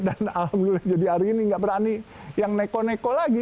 dan alhamdulillah jadi hari ini tidak berani yang neko neko lagi